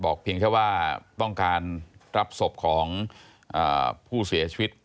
เพียงแค่ว่าต้องการรับศพของผู้เสียชีวิต